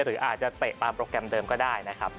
หรืออาจจะเตะตามโปรแกรมเดิมก็ได้นะครับ